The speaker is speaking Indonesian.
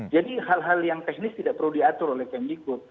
jadi hal hal yang teknis tidak perlu diatur oleh pmdk